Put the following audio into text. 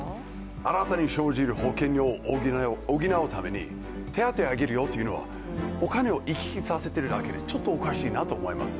新たに生じる保険料を補うために手当をあげるよというのは、お金を行き来させているだけで、ちょっとおかしいなと思います。